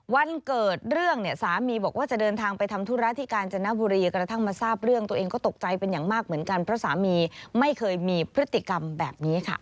วันเกิดเรื่องเนี่ยสามีบอกว่าจะเดินทางไปทำธุระที่กาญจนบุรีกระทั่งมาทราบเรื่องตัวเองก็ตกใจเป็นอย่างมากเหมือนกันเพราะสามีไม่เคยมีพฤติกรรมแบบนี้ค่ะ